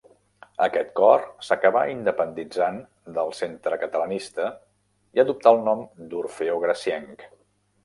Aquest cor s'acabà independitzant del Centre Catalanista i adoptà el nom d'Orfeó Gracienc.